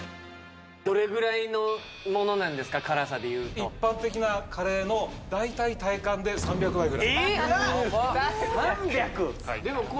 どれぐらいのものなんですか辛さでいうと一般的なカレーの大体体感で３００倍ぐらいえっ！？